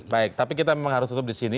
baik tapi kita memang harus tutup disini